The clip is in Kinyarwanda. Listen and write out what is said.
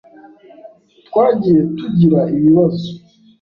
Twagiye tugira ibibazo.